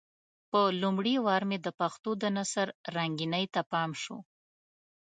په لومړي وار مې د پښتو د نثر رنګينۍ ته پام شو.